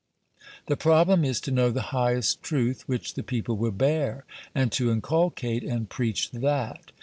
The problem is to know the highest truth which the people will bear, and to inculcate and preach that.